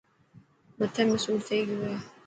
مٿي ۾ سوڙ ٿي گيو هي.